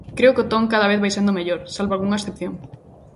Creo que o ton cada vez vai sendo mellor, salvo algunha excepción.